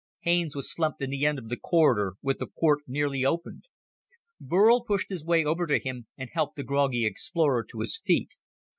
Haines was slumped in the end of the corridor, with the port nearly opened. Burl pushed his way over to him and helped the groggy explorer to his feet.